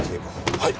はい！